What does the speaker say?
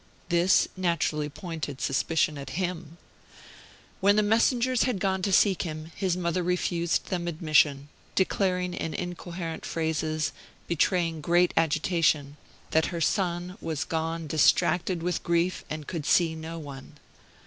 This naturally pointed suspicion at him. When the messengers had gone to seek him, his mother refused them admission, declaring in incoherent phrases, betraying great agitation, that her son was gone distracted with grief and could see no one.